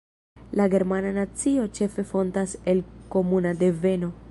La germana nacio ĉefe fontas el komuna deveno.